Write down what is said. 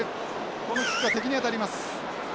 このキックは敵に当たります。